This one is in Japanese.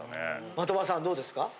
的場さんどうですか？